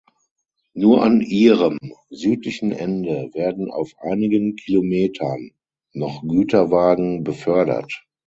Nur an ihrem südlichen Ende werden auf einigen Kilometern noch Güterwagen befördert.